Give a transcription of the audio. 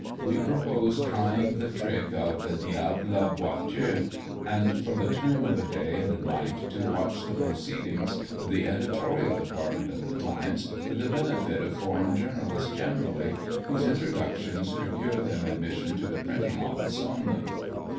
We propose trying the trick of the diable boiteux, and for the term of a day and a night to watch the proceedings of the editorial department of the Times for the benefit of foreign journalists generally, whose introductions procure them admission to the printing office only.